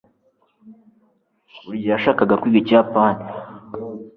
buri gihe yashakaga kwiga ikiyapani